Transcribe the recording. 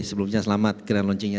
sebelumnya selamat kira kira launchingnya